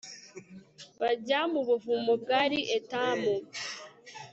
bajya ku buvumo bwari etamu